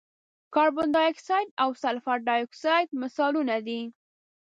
کاربن ډای اکسایډ او سلفر ډای اکساید مثالونه دي.